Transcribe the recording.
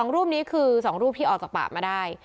รูปนี้คือ๒รูปที่ออกจากป่ามาได้